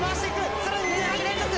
さらに２回連続。